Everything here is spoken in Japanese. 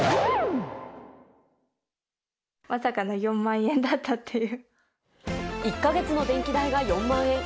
まさかの４万円だったっていあれ？